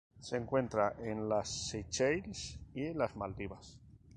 Se encuentra en las Seychelles y las Maldivas.